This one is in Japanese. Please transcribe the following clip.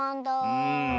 うん。